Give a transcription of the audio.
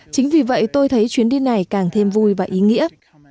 chính vì vậy tôi thấy chuyến đi này càng thêm vui và ý nghĩa